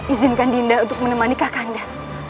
izinkan dinda untuk menemani kak kanda